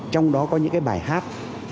trong đó có những cái bài hát